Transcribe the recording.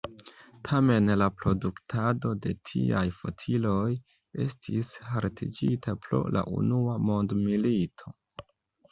Tamen la produktado de tiaj fotiloj estis haltigita pro la unua mondmilito.